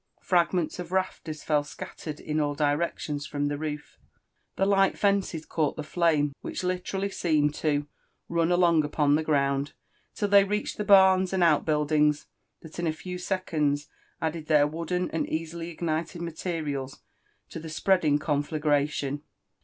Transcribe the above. Fragments of rafters fell scattered in ail directions from the roof; the light fences caught the flame, which literally seemed to tun along upon* the ground," till they reached the barns and oatbwldings, that in a few seconds added their wooden and easily ignited materials to the spreading conflagration